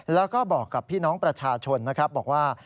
แล้วก็บอกกับพี่น้องประชาชนนะครับบอกว่า